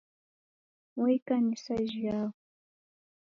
Wa ikanisa jhiao?